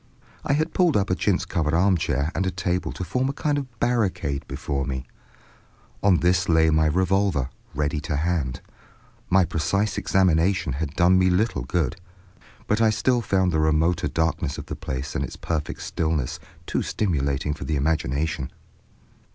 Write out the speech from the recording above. I had pulled up a chintz covered armchair and a table to form a kind of barricade before me. On this lay my revolver, ready to hand. My precise examination had done me a little good, but I still found the remoter darkness of the place and its perfect stillness too stimulating for the imagination.